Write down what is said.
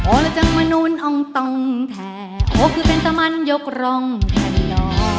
โอ้แล้วจังมานู่นอองตองแทโอ้คือเป็นตามันยกรองแท่นอ